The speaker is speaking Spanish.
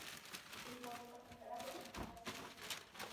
Su hijo, Lucas Alcaraz, es entrenador de fútbol.